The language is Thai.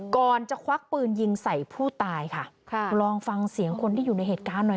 ก่อนจะควักปืนยิงใส่ผู้ตายค่ะค่ะลองฟังเสียงคนที่อยู่ในเหตุการณ์หน่อย